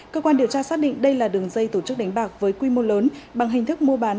cơ quan điều tra xác định đây là đường dây tổ chức đánh bạc với quy mô lớn bằng hình thức mua bán